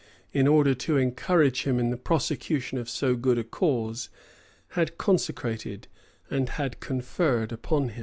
in order to encourage him in the prosecution of so good a cause, had consecrated, and had conferred upon him.